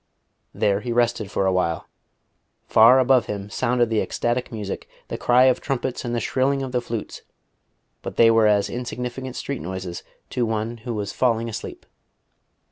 There he rested for a while. Far above him sounded the ecstatic music, the cry of trumpets and the shrilling of the flutes; but they were as insignificant street noises to one who was falling asleep.